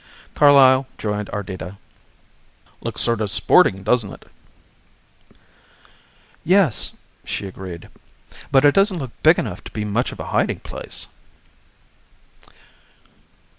Carlyle joined Ardita. "Looks sort of sporting, doesn't it?" "Yes," she agreed; "but it doesn't look big enough to be much of a hiding place."